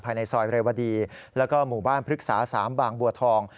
ในซอยเรวดีแล้วก็หมู่บ้านพฤกษา๓บางบัวทอง